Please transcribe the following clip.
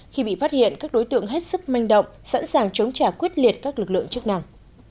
khi bị phát hiện các đối tượng hết sức manh động sẵn sàng chống trả quyết liệt các lực lượng chức năng